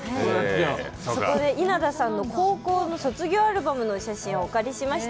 そこで稲田さんの高校の卒業アルバムの写真をお借りしました。